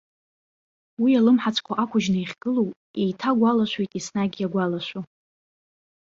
Уи алымҳацәқәа ақәыжьны иахьгылоу еиҭагәалашәоит еснагь иагәалашәо.